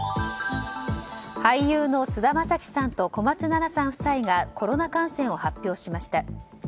俳優の菅田将暉さんと小松菜奈さん夫妻がコロナ感染を発表しました。